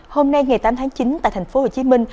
hôm nay ngày tám tháng chín tại thành phố hồ chí minh